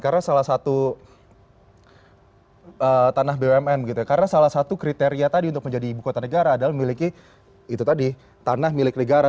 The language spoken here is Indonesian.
karena salah satu kriteria tadi untuk menjadi ibu kota negara adalah memiliki tanah milik negara